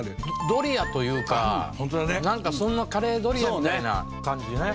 ドリアというかなんかそんなカレードリアみたいな感じだね。